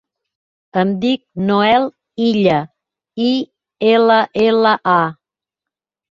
Em dic Noel Illa: i, ela, ela, a.